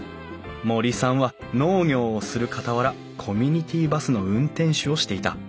森さんは農業をするかたわらコミュニティーバスの運転手をしていた。